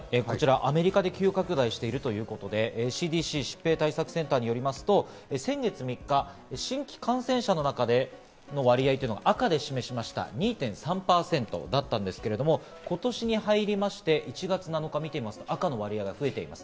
アメリカで急拡大しているということでＣＤＣ＝疾病対策センターによりますと先月３日、新規感染者の中での割合が赤で示しました２．３％だったんですけれども、今年に入りまして１月７日を見てみますと、赤の割合が増えています。